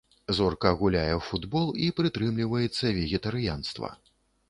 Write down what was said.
Зорка гуляе ў футбол і прытрымліваецца вегетарыянства.